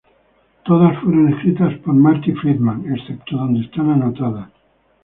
Todas fueron escritas por Marty Friedman, excepto donde están anotadas.